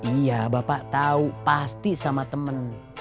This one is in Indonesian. iya bapak tahu pasti sama temen